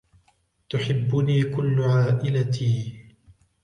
تحبني كل عائلتي.